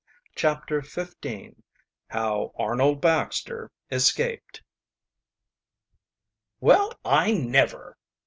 CHAPTER XV HOW ARNOLD BAXTER ESCAPED "Well, I never!"